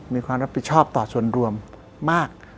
มีความรับผิดชอบต่อส่วนรวมมาก